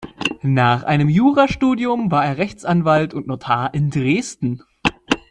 Nach einem Jurastudium war er Rechtsanwalt und Notar in Dresden.